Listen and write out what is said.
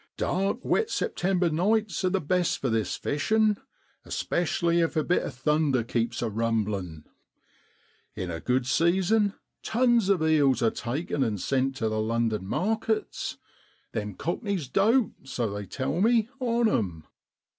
Dark, wet September nights are the best for this fishin', especially if a bit of thunder keeps a rumblin'. In a good season tons of eels are taken an' sent tu the London markets. Them cockneys dote, so they tell me, on 'em.'